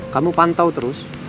kamu pantau terus